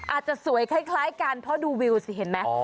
อาจจะสวยคล้ายกันเพราะดูวิวสิเห็นไหม